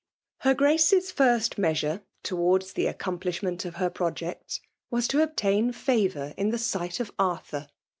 Her Graee'B first measure towards the ac ooanpliflhment of her projects, was to obtain &voiur in the sight of Arthur.